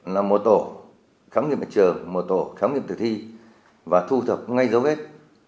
là một tổ khám nghiệm ở trường một tổ khám nghiệm tử thi và thu thập ngay dâu vết